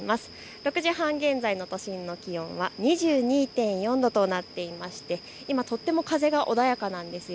６時半現在の都心の気温は２２．４度となっていますが、今とても風が穏やかなんです。